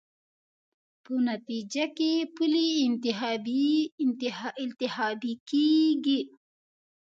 په نتېجه کې پلې التهابي کېږي.